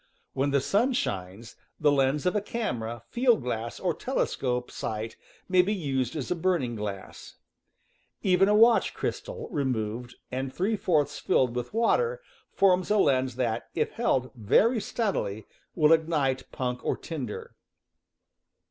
When the sun shines, the lens of a camera, field glass, or telescope sight may be used as a burning glass. Even a watch crystal, removed, and three fourths filled with water, forms a lens that, if held very steadily, will ignite punk or tinder.